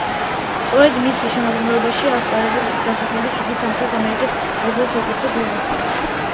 სწორედ მის შემადგენლობაში ასპარეზობისას დაასახელეს იგი სამხრეთ ამერიკის ორგზის საუკეთესო ფეხბურთელად.